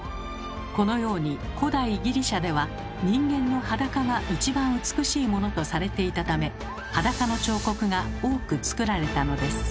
このように古代ギリシャでは人間の裸が一番美しいものとされていたため裸の彫刻が多く作られたのです。